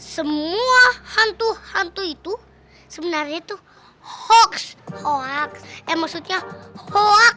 semua hantu hantu itu sebenarnya itu hoax hoax eh maksudnya hoax